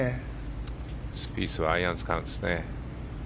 スピースはアイアン使うんですね。